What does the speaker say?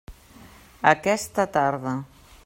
Aquesta tarda.